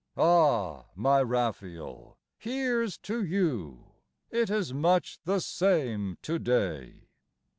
Ah, my Raphael, here's to you! It is much the same to day.